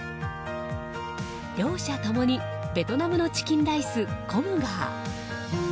両者ともにベトナムのチキンライスコムガー。